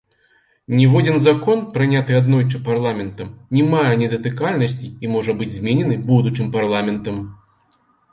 Ніводзін закон, прыняты аднойчы парламентам, не мае недатыкальнасці і можа быць зменены будучым парламентам.